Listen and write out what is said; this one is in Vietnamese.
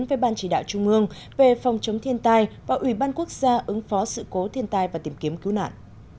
với ban chỉ đạo trung ương về phòng chống thiên tai và ủy ban quốc gia ứng phó sự cố thiên tai và tìm kiếm cứu nạn